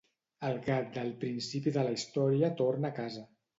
El gat del principi de la història torna a casa.